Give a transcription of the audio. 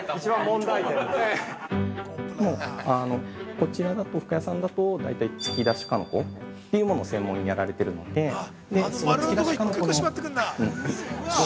◆こちらだと、深谷さんだと、大体突き出し鹿の子というものを専門にやられているので、突き出し鹿の子の◆